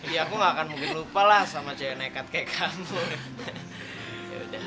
ya aku gak akan mungkin lupa lah sama cewek nekat kayak kantor